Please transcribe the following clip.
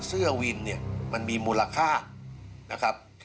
เสื้อวินเนี่ยมันมีมูลค่านะครับ